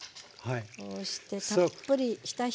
こうしてたっぷりひたひたまで入れて。